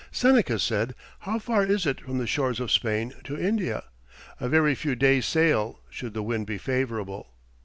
Seneca said "How far is it from the shores of Spain to India? A very few days' sail, should the wind be favourable."